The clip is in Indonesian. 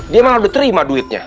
dia malah udah terima duitnya